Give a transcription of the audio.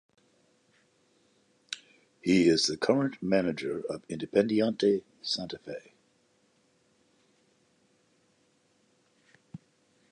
He is the current manager of Independiente Santa Fe.